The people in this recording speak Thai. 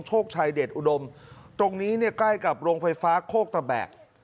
โชคชัยเดชอุดมตรงนี้เนี่ยใกล้กับโรงไฟฟ้าโคกตะแบก